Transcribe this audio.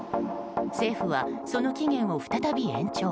政府はその期限を再び延長。